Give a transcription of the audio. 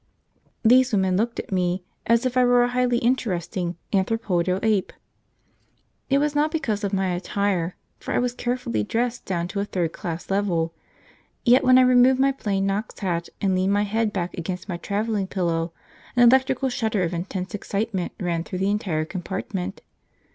These women looked at me as if I were a highly interesting anthropoidal ape. It was not because of my attire, for I was carefully dressed down to a third class level; yet when I removed my plain Knox hat and leaned my head back against my travelling pillow, an electrical shudder of intense excitement ran through the entire compartment.